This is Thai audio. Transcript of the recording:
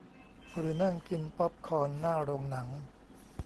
หรือนั่งกินป๊อปคอร์นหน้าโรงหนัง